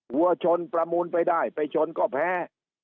วัวชนประมูลไปได้ไปชนก็แพ้